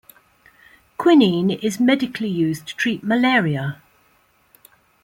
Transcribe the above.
Quinine is medically used to treat malaria.